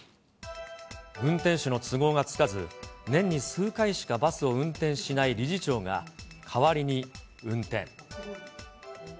運転手の都合がつかず、年に数回しかバスを運転しない理事長が、代わりに運転。